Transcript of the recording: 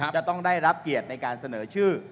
จะต้องได้รับเกียรติในการเสนอชื่อ